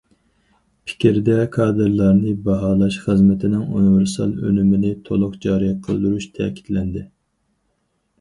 پىكىردە: كادىرلارنى باھالاش خىزمىتىنىڭ ئۇنىۋېرسال ئۈنۈمىنى تولۇق جارى قىلدۇرۇش تەكىتلەندى.